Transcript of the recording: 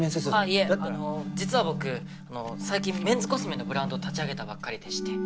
いえあの実は僕最近メンズコスメのブランドを立ち上げたばっかりでして。